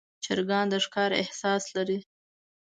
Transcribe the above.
چرګان د ښکار احساس لري.